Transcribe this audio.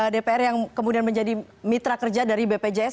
dpr yang kemudian menjadi mitra kerja dari bpjs